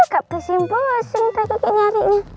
kak kusim bosan kak kiki nyarinya